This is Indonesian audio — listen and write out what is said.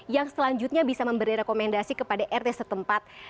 yang selanjutnya bisa memberi rekomendasi kepada rt setempat